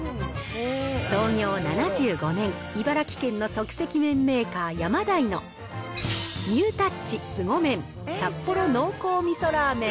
創業７５年、茨城県の即席麺メーカー、ヤマダイのニュータッチ凄麺札幌濃厚味噌ラーメン。